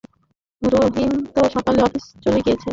রোহিত তো সকালে অফিস চলে গিয়েছে।